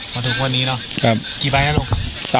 มาถึงวันนี้เนอะกี่ใบนะลูก